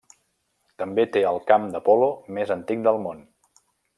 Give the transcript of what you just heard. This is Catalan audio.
També té el camp de polo més antic del món.